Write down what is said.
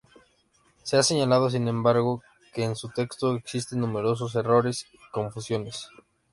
Se ha señalado, sin embargo, que en su texto existen numerosos errores y confusiones.